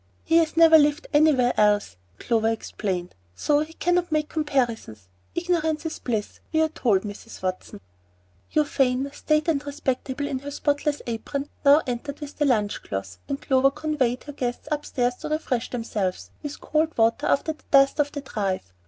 "He has never lived anywhere else," Clover explained; "so he cannot make comparisons. Ignorance is bliss, we are told, Mrs. Watson." Euphane, staid and respectable in her spotless apron, now entered with the lunch cloth, and Clover convoyed her guests upstairs to refresh themselves with cold water after the dust of the drive.